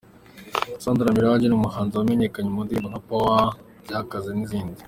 Sandra Miraji ni umuhanzi wamenyekanye mu ndirimbo nka Power Power ,Byakaze n’izindi.